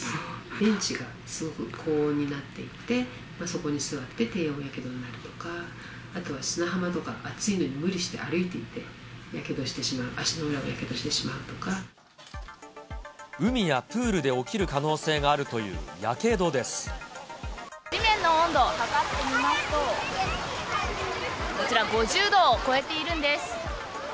ベンチがすごく高温になっていて、そこに座って低温やけどになるとか、あとは砂浜とか、暑いのに無理して歩いていって、やけどしてしまう、海やプールで起きる可能性が地面の温度を測ってみますと、こちら、５０度を超えているんです。